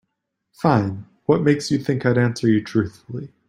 Fine, what makes you think I'd answer you truthfully?